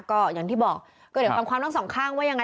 ก็อย่างที่บอกเกิดเห็นความความต้องส่องข้างว่ายังไง